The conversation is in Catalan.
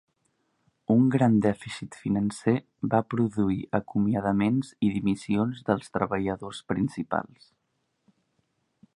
Un gran dèficit financer va produir acomiadaments i dimissions dels treballadors principals.